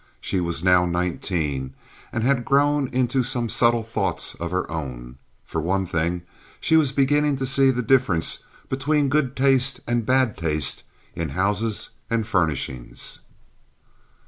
She was now nineteen and had grown into some subtle thoughts of her own. For one thing, she was beginning to see the difference between good taste and bad taste in houses and furnishings.